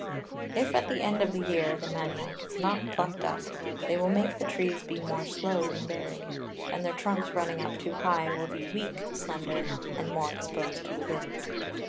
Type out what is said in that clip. If at the end of the Year the Manioc is not plucked up, they will make the Trees be more slow in bearing; and their Trunks running up too high, will be weak, slender, and more exposed to the Winds.